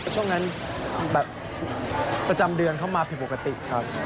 ช่วงนั้นแบบประจำเดือนเข้ามาผิดปกติครับ